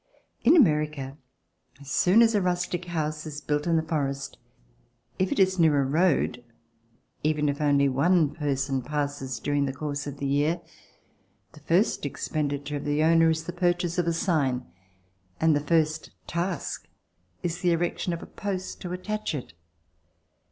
In America, as soon as a rustic house is built in the forest, if it is near a road, even if only one person passes during the course of the year, the first expenditure of the owner is the purchase of a sign, and the first task is the erection of a post to attach it.